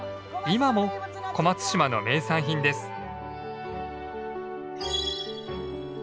今も小松島の名産品です。